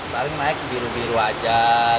paling naik biru biru aja